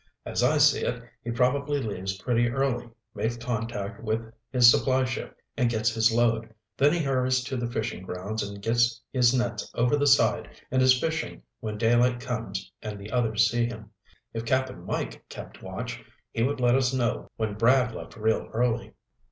As I see it, he probably leaves pretty early, makes contact with his supply ship and gets his load, then he hurries to the fishing grounds and gets his nets over the side and is fishing when daylight comes and the others see him. If Cap'n Mike kept watch, he would let us know when Brad left real early."